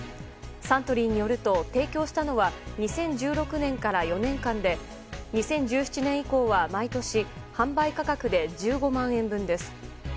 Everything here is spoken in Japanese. サントリーによると提供したのは２０１６年から４年間で２０１７年以降は毎年販売価格で１５万円分です。